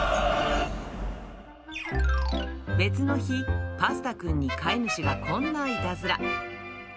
別の日、パスタくんに飼い主がこんないたずら。